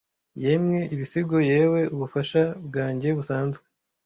yemwe ibisigo yewe ubufasha bwanjye busanzwe